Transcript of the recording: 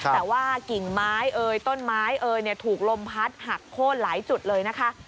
แต่ว่ากิ่งไม้เอ่ยต้นไม้เอยถูกลมพัดหักโค้นหลายจุดเลยนะคะ